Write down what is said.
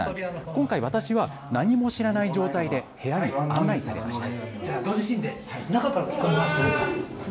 今回、私は何も知らない状態で部屋に案内されました。